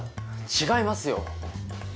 違いますよ。